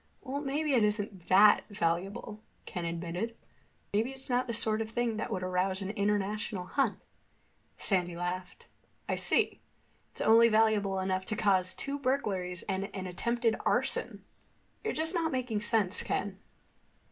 "Well, maybe it isn't that valuable," Ken admitted. "Maybe it's not the sort of thing that would arouse an international hunt." Sandy laughed. "I see. It's only valuable enough to cause two burglaries and an attempted arson. You're just not making sense, Ken."